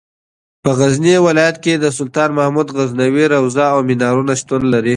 په غزني ولایت کې د سلطان محمود غزنوي روضه او منارونه شتون لري.